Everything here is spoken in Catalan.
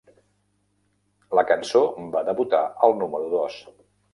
La cançó va debutar al número dos.